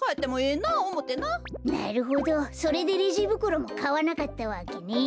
なるほどそれでレジぶくろもかわなかったわけね。